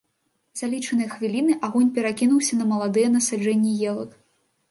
За лічаныя хвіліны агонь перакінуўся на маладыя насаджэнні елак.